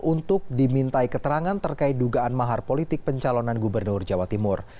untuk dimintai keterangan terkait dugaan mahar politik pencalonan gubernur jawa timur